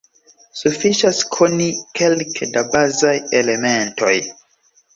Sufiĉas koni kelke da bazaj elementoj.